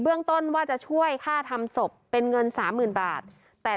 ต้นว่าจะช่วยค่าทำศพเป็นเงินสามหมื่นบาทแต่